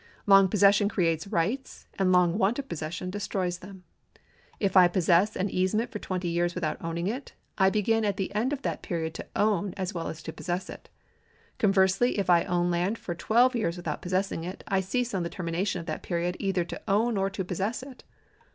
Long possession creates rights, and long want of possession destroys them. If I possess an easement for twenty years without owning it, I begin at the end of that period to own as well as to possess it. Conversely if I own land for twelve years without possessing it, I cease on the termination of that period either to own or to possess it.